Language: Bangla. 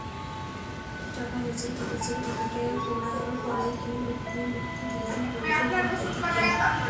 সেই টাকা নিজের পকেটে পোরার পরেই কেবল তিনি মুক্তি দিয়েছেন দরিদ্র দম্পতিকে।